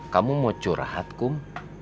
kamu mau curhat kum